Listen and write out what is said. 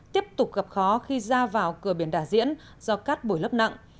tiếp tục gặp khó khi ra vào cửa biển đả diễn do cát bổi lấp nặng